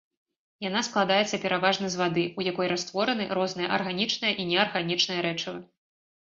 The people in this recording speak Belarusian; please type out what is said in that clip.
Яна складаецца пераважна з вады, у якой раствораны розныя арганічныя і неарганічныя рэчывы.